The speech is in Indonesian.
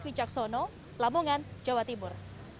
wicaksono lamongan jawa timur